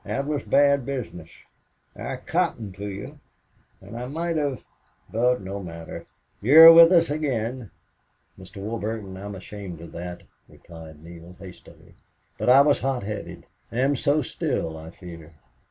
"That was bad business. I cottoned to you and I might have But no matter. You're with us again." "Mr. Warburton, I'm ashamed of that," replied Neale, hastily. "But I was hot headed... am so still, I fear."